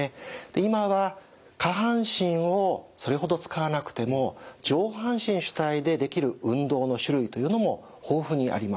今は下半身をそれほど使わなくても上半身主体でできる運動の種類というのも豊富にあります。